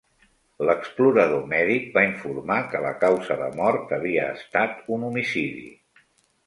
L'explorador mèdic va informar que la causa de mort havia estat un homicidi.